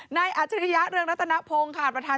นายอัธิริยะเรื่องมานาธนาภงค่ะ